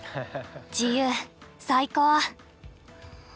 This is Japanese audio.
自由最高！